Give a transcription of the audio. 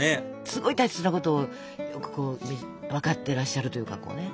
すごい大切なことを分かってらっしゃるというか。